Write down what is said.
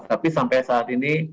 tapi sampai saat ini